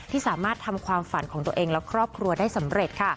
ที่สามารถทำความฝันของตัวเองและครอบครัวได้สำเร็จค่ะ